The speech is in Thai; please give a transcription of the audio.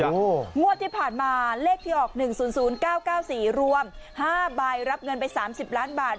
งวดที่ผ่านมาเลขที่ออก๑๐๐๙๙๔รวม๕ใบรับเงินไป๓๐ล้านบาท